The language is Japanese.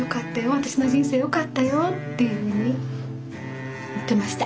私の人生よかったよっていうふうに言ってました。